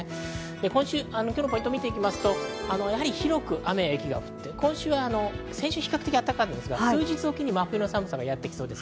今日のポイントを見ていきますと、広く雨や雪が降って、先週、比較的あったかかったんですが、数日おきに真冬の寒さがやってきそうです。